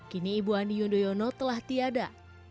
kini ibu ani yudhoyono telah tiada